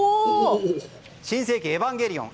「新世紀エヴァンゲリオン」